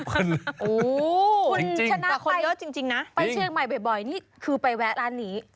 โอ้โหคุณชนะไปเชียงใหม่บ่อยนี่คือไปแวะร้านนี้